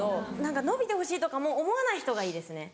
伸びてほしいとかも思わない人がいいですね。